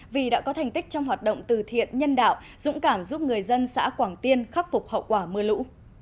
vì đã có thành tích trong hoạt động từ thiện nhân đạo dũng cảm giúp người dân xã quảng tiên khắc phục hậu quả mưa lũ